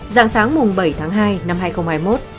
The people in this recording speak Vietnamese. dạng sáng mùng bảy tháng hai năm hai nghìn hai mươi một